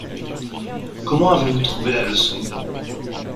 Comment avez-vous trouver la leçon ?